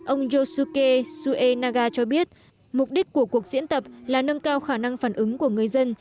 ông yosuke suenaga cho biết mục đích của cuộc diễn tập là nâng cao khả năng phản ứng của người dân